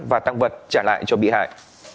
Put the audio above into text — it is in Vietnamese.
và tăng vật trả lại cho bị hại